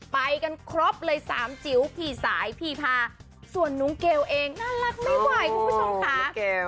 ไปกันครบเลยสามจิ๋วพี่สายพี่พาส่วนน้องเกลเองน่ารักไม่ไหวคุณผู้ชมค่ะ